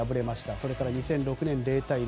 それから２００６年、０対０。